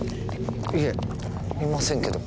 いえいませんけど。